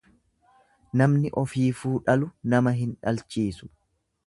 Namni Ofiifuu dhalu nama hin dhalchiisu.